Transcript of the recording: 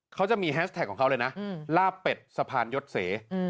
เขาจะมีแฮชแท็กของเขาเลยนะลาบเป็ดสะพานยศเส